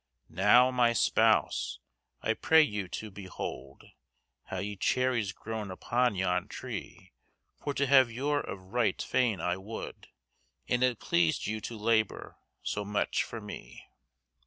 _ Now, my spouse, I pray yow to be hold How ye cheryes growyn upon yon tre, For to have yr of ryght fayn I wold, And it plesyd yow to labor so mech for me.